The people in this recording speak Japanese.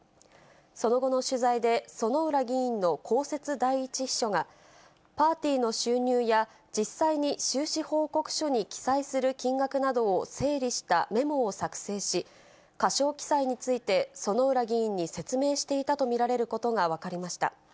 その後の取材で、薗浦議員の公設第一秘書が、パーティーの収入や、実際に収支報告書に記載する金額などを整理したメモを作成し、過少記載について、薗浦議員に説明していたと見られることが分かりました。